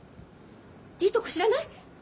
いいとこ知らない？